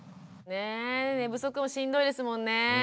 寝不足もしんどいですもんねぇ。